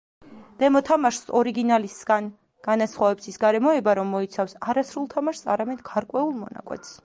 დემო თამაშს ორიგინალისგან განასხვავებს ის გარემოება, რომ მოიცავს არა სრულ თამაშს, არამედ გარკვეულ მონაკვეთს.